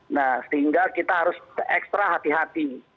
nah sehingga kita harus ekstra hati hati